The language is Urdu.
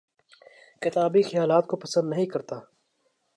کتابی خیالات کو پسند نہیں کرتا